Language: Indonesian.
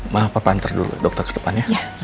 maaf pak painter dulu dokter ke depannya